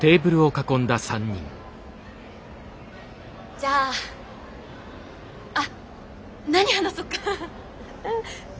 じゃああっ何話そうか？